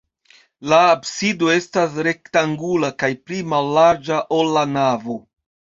La absido estas rektangula kaj pli mallarĝa, ol la navo.